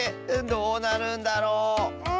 どうなるんだろう？